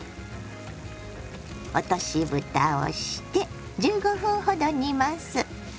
落としぶたをして１５分ほど煮ます。